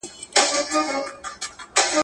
چاته وايي په نړۍ کي پهلوان یې.